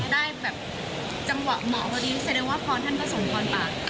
แสดงว่าฟ้อนท่านก็ส่งฟ้อนปาก